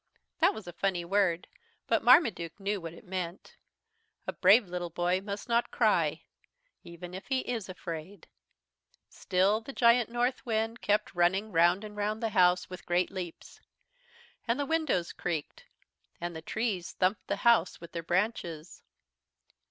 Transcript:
That was a funny word, but Marmaduke knew what it meant. A brave little boy must not cry even if he is afraid. Still the Giant Northwind kept running round and round the house with great leaps. And the windows creaked, and the trees thumped the house with their branches.